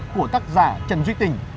của tác giả trần duy tình